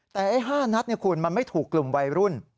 แต่๕๖คนไม่ถูกกลุ่มวัยรุ่น